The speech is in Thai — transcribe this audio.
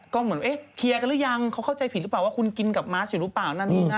ก็เหมือนเอ๊ะเคลียร์กันหรือยังเขาเข้าใจผิดหรือเปล่าว่าคุณกินกับมาร์ชอยู่หรือเปล่านั่นนี่นะ